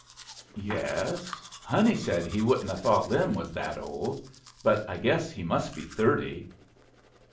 "Yes. Honey said he wouldn't 'a' thought Lin was that old. But I guess he must be thirty."